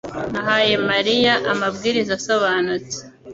Nahaye mariya amabwiriza asobanutse